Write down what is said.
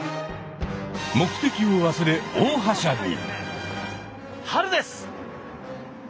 目的を忘れ大はしゃぎ！